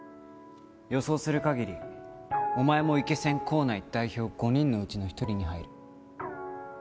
予想する限りお前もイケセン校内代表５人のうちの１人に入る。